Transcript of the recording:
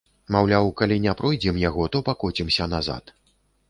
Маўляў, калі не пройдзем яго, то пакоцімся назад.